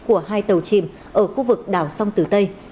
của hai tàu chìm ở khu vực đảo sông tử tây